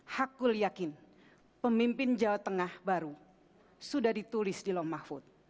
hakku yakin pemimpin jawa tengah baru sudah ditulis di lomah food